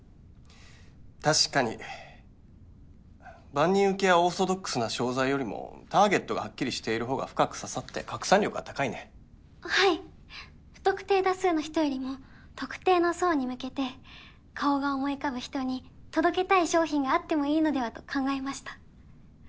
確かに万人受けやオーソドックスな商材よりもターゲットがはっきりしている方が深く刺さって拡散力は高いねはい不特定多数の人よりも特定の層に向けて顔が思い浮かぶ人に届けたい商品があってもいいのではと考えました